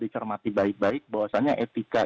dicermati baik baik bahwasannya etika